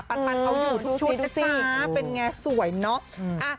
ปันเอาอยู่ทุกชุดนะจ๊ะเป็นไงสวยเนาะ